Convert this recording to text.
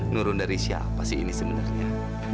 nurun dari siapa sih ini sebenarnya